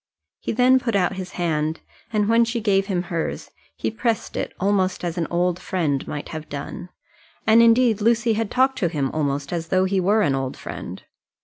He then put out his hand, and when she gave him hers he pressed it almost as an old friend might have done. And, indeed, Lucy had talked to him almost as though he were an old friend.